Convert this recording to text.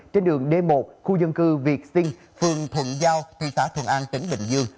trên đường d một khu dân cư việt sinh phường thuận giao tuy tả thuận an tỉnh bình dương